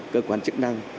cơ quan chức năng